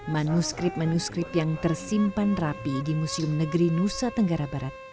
manuskrip manuskrip yang tersimpan rapi di museum negara nusa tg ba